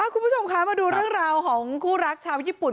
คุณผู้ชมคะมาดูเรื่องราวของคู่รักชาวญี่ปุ่น